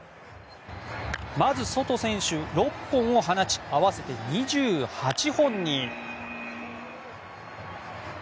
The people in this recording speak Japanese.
まずソト選手、６本を放ち合わせて２８本に。